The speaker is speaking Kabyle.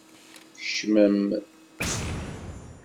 Kecmem!